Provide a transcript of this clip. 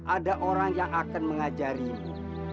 ada orang yang akan mengajarimu